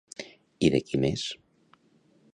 I de qui més?